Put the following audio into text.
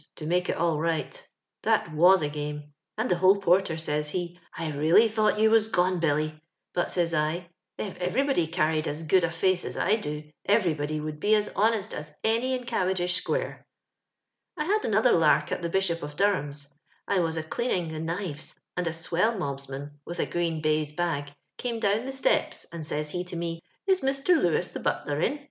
to make H all right That iwu a game, and the hall.porter, aaja he, 'I reallj thought Ton irai mme, Bilbr;* hat, says I, * If ereir. hodj earned as good a ihee as I do, oTeryhod j 'woidd he as honest as any in CaTendish sqnare.' «* I had another lark at the Bishop of Dor ham's. I was a ftleantng the kniTes, and a twellmohaman, with a green>haiae hag, oome down the stepe, and says he to me, * Is Mr. Lewis, the hatler, in?